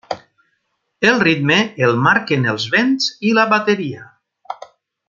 El ritme el marquen els vents i la bateria.